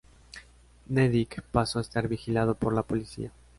Nedić pasó a estar vigilado por la policía.